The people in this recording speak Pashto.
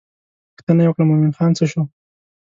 پوښتنه یې وکړه مومن خان څه شو.